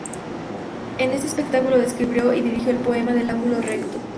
En este espectáculo, escribió y dirigió El poema del ángulo recto.